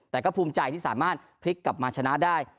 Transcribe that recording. แต่ก็ภูมิใจที่สามารถพลิกกลับมาชนะได้